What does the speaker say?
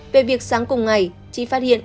về việc sáng cùng ngày chị phát hiện